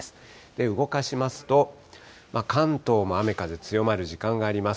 動かしますと、関東も雨風強まる時間があります。